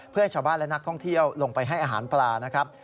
เพื่อให้ชาวบ้านและนักท่องเที่ยวลงไปให้อาหารปลานะครับ